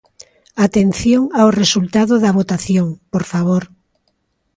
Atención ao resultado da votación, por favor.